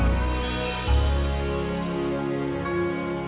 ini semua orang yang gawat